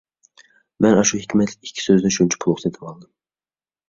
مەن ئاشۇ ھېكمەتلىك ئىككى سۆزنى شۇنچە پۇلغا سېتىۋالدىم.